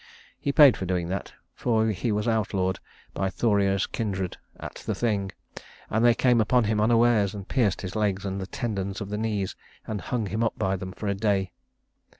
He paid for doing that, for he was outlawed by Thoreir's kindred at the Thing, and they came upon him unawares, and pierced his legs at the tendons of the knees and hung him up by them for a day.